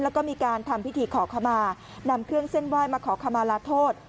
แล้วก็มีการทำพิธีขอขมานำเครื่องเส้นไหว้มาขอขมาลาโทษ